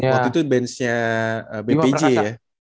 waktu itu benchnya bpj ya